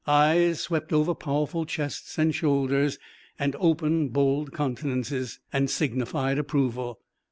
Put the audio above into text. Eyes swept over powerful chests and shoulders and open, bold countenances, and signified approval.